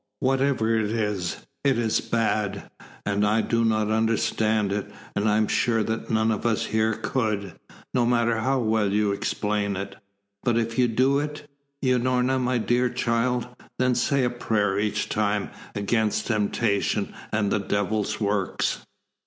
Whatever it is, it is bad, and I do not understand it, and I am sure that none of us here could, no matter how well you explained it. But if you will do it, Unorna, my dear child, then say a prayer each time, against temptation and the devil's works."